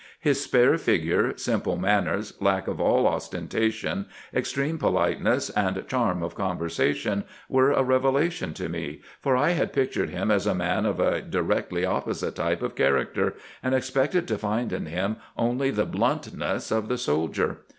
His spare figure, simple manners, lack of all ostentation, _ extreme politeness, and charm of conversation were a revelation to me, for I had pictured him as a man of a directly opposite type of character, and expected to find in him only the bluntness of the soldier.